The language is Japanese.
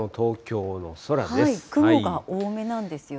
雲が多めなんですよね。